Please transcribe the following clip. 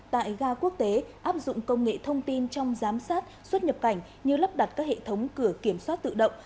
tại ga quốc tế áp dụng công nghệ thông tin trong giám sát xuất nhập cảnh như lắp đặt các hệ thống cửa kiểm soát tự động